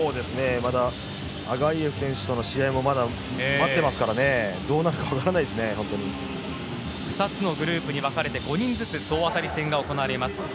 まだアガイェフ選手との試合も待っていますので２つのグループに分かれて５人ずつ総当たり戦が行われます。